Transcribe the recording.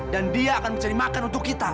dan dia akan menjadi makan untuk kita